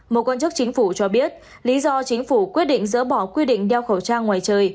một quan chức chính phủ cho biết lý do chính phủ quyết định dỡ bỏ quy định đeo khẩu trang ngoài trời